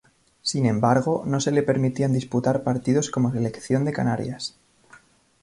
Sin embargo, no se le permitían disputar partidos como Selección de Canarias.